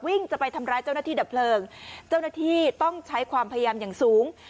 จะไปทำร้ายเจ้าหน้าที่ดับเพลิงเจ้าหน้าที่ต้องใช้ความพยายามอย่างสูง